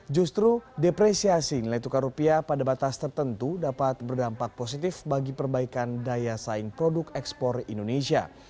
justru depresiasi nilai tukar rupiah pada batas tertentu dapat berdampak positif bagi perbaikan daya saing produk ekspor indonesia